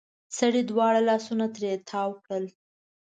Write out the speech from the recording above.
سړې دواړه لاسونه ترې تاو کړل.